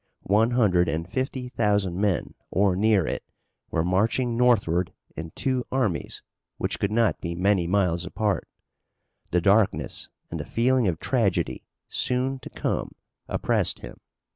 One hundred and fifty thousand men, or near it, were marching northward in two armies which could not be many miles apart. The darkness and the feeling of tragedy soon to come oppressed him.